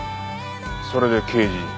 それで刑事に？